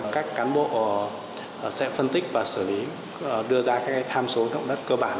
các cán bộ sẽ phân tích và xử lý đưa ra các tham số động đất cơ bản